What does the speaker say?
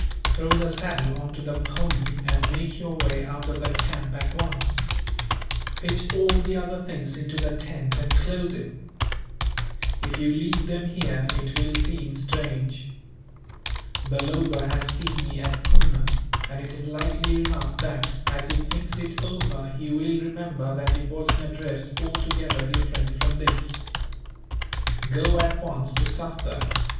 Throw the saddle on to the pony, and make your way out of the camp, at once. Pitch all the other things into the tent, and close it. If you leave them here, it will seem strange. Balloba has seen me at Poona, and it is likely enough that, as he thinks it over, he will remember that it was in a dress altogether different from this. Go at once to Sufder.